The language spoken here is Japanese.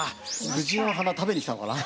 藤の花食べに来たのかな。